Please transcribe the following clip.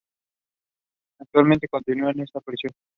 Actualmente, continua en esta prisión.